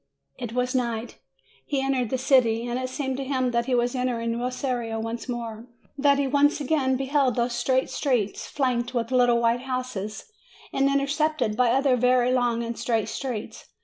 It was night. He entered the city, and it seemed to him that he was entering Rosario once more; that he again beheld those straight streets, flanked with little white houses, and intersected by other very long and straight streets.